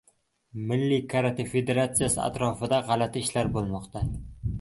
Milliy karate federatsiyasi atrofidagi gʻalati ishlar bo‘lmoqda.